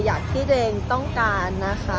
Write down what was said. อยากที่เดี๋ยวเองต้องการนะคะ